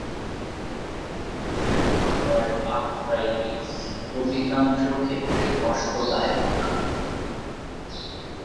Rheumatoid arthritis অধিকাংশ ক্ষেত্রে কষ্টদায়ক।